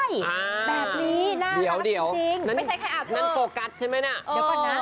เป็นนี้น่ารักจริงนั่นโฟกัสใช่ไหมน่ะเดี๋ยวก่อนน่ะ